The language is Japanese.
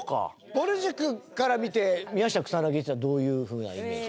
ぼる塾から見て宮下草薙っていうのはどういう風なイメージ？